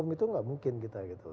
memang itu tidak mungkin gitu ya gitu